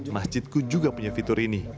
masjidku juga punya fitur ini